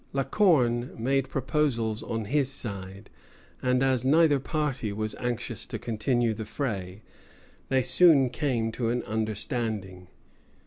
La Corne made proposals on his side, and as neither party was anxious to continue the fray, they soon came to an understanding.